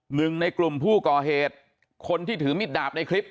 หนึ่งในกลุ่มผู้ก่อเหตุคนที่ถือมิดดาบในคลิป